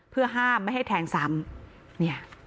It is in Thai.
เพื่อห้ามไม่ให้แทงซ้ำ